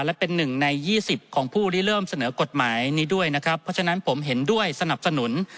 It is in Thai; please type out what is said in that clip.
และเป็นหนึ่งในยี่สิบของผู้ที่เริ่มเสนอกฎหมายนี้ด้วยนะครับเพราะฉะนั้นผมเห็นด้วยสนับสนุน